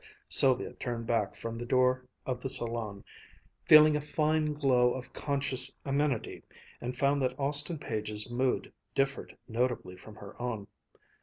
Sylvia turned back from the door of the salon, feeling a fine glow of conscious amenity, and found that Austin Page's mood differed notably from her own.